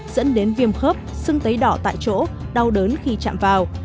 dẫn đến viêm khớp xưng tấy đỏ tại chỗ đau đớn khi chạm vào